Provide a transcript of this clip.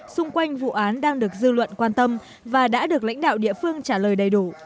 xung quanh vụ án đang được dư luận quan tâm và đã được lãnh đạo địa phương trả lời đầy đủ